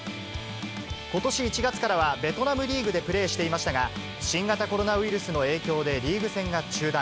ことし１月からはベトナムリーグでプレーしていましたが、新型コロナウイルスの影響でリーグ戦が中断。